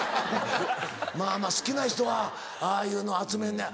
まぁまぁ好きな人はああいうの集めんねや。